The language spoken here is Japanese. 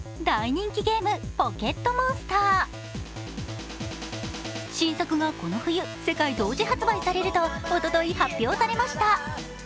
大人気ゲーム、「ポケットモンスター」新作がこの冬、世界同時発売されるとおととい発表されました。